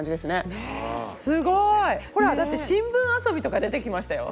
ほらだって「新聞遊び」とか出てきましたよ。